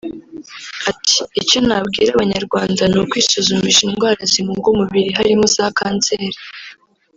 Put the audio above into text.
Ati “Icyo nabwira Abanyarwanda ni ukwisuzumisha indwara zimunga umubiri harimo za kanseri